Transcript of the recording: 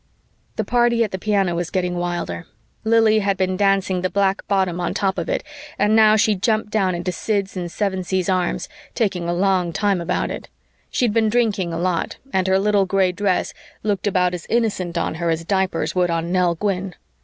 The party at the piano was getting wilder. Lili had been dancing the black bottom on top of it and now she jumped down into Sid's and Sevensee's arms, taking a long time about it. She'd been drinking a lot and her little gray dress looked about as innocent on her as diapers would on Nell Gwyn.